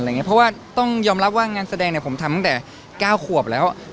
เพราะว่าต้องยอมรับว่างานแสดงผมทำตั้งแต่๙ขวบแล้ว